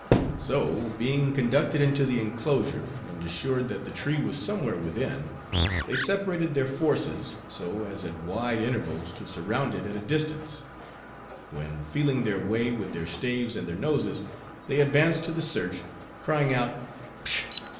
So, being conducted into the inclosure, and assured that the tree was somewhere within, they separated their forces, so as at wide intervals to surround it at a distance; when feeling their way, with their staves and their noses, they advanced to the search, crying out—'Pshaw!